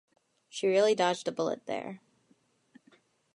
She really dodged a bullet there.